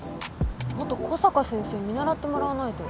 もっと小坂先生見習ってもらわないと。